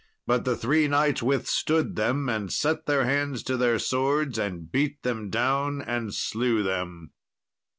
But the three knights withstood them, and set their hands to their swords, and beat them down and slew them.